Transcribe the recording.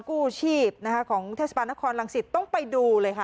กู้ชีพนะคะของเทศบาลนครรังสิตต้องไปดูเลยค่ะ